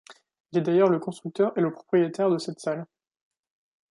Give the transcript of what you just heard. Il est d'ailleurs le constructeur et le propriétaire de cette salle.